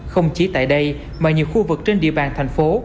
không chỉ tại đây mà nhiều khu vực trên địa bàn thành phố